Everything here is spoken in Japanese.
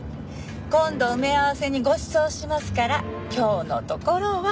今度埋め合わせにごちそうしますから今日のところは。